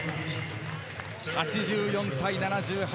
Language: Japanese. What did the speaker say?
８４対７８。